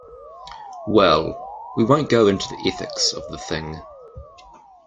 Well, we won't go into the ethics of the thing.